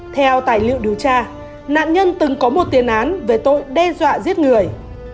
theo tài liệu điều tra nạn nhân từng có một tiền án về tội đe dọa giết người